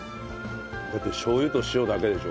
だってしょう油と塩だけでしょ？